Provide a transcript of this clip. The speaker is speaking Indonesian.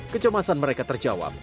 kecemasan mereka terjawab